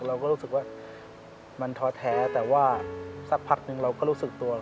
เราก็รู้สึกว่ามันท้อแท้แต่ว่าสักพักนึงเราก็รู้สึกตัว